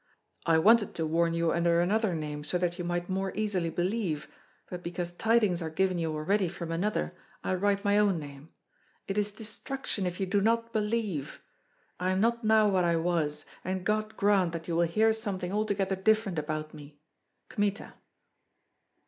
I wanted to warn you under another name, so that you might more easily believe, but because tidings are given you already from another, I write my own name. It is destruction if you do not believe. I am not now what I was, and God grant that you will hear something altogether different about me. Kmita.